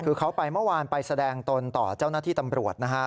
คือเขาไปเมื่อวานไปแสดงตนต่อเจ้าหน้าที่ตำรวจนะฮะ